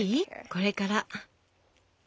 これから。